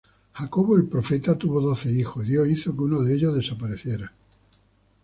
Jacob el profeta tuvo doce hijos, y Dios hizo uno de ellos desaparecen.